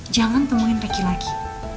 jangan temuin riki lagi